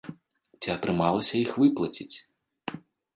Ці атрымалася іх выплаціць?